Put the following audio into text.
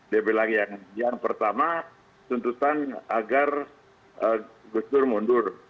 dia bilang yang pertama tuntutan agar gus dur mundur